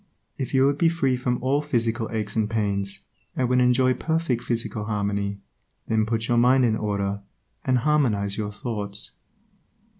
If you would be free from all physical aches and pains, and would enjoy perfect physical harmony, then put your mind in order, and harmonize your thoughts.